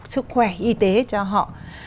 sức khỏe y tế cho họ